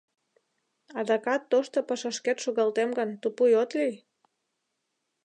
Адакат тошто пашашкет шогалтем гын, тупуй от лий?